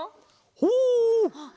ほう！